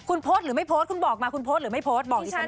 คุณโพสต์หรือไม่โพสต์คุณบอกมาคุณโพสต์หรือไม่โพสต์บอกดิฉัน